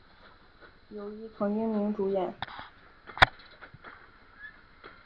由伊藤英明主演。